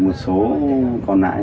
một số còn lại